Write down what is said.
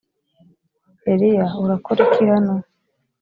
eliya urakora iki hano.